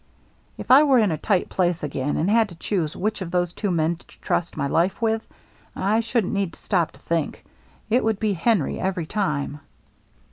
"— if I were in a tight place again and had to choose which of those two men to trust my life with, I shouldn't need to stop to think. It would be Henry, every time."